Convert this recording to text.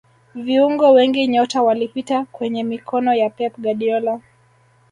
viungo wengi nyota walipita kwenye mikono ya pep guardiola